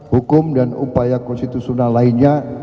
hukum dan upaya konstitusional lainnya